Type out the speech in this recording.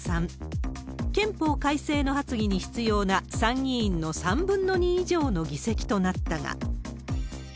憲法改正の発議に必要な参議院の３分の２以上の議席となったが。